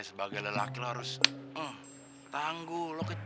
sebagai lelaki lo harus tangguh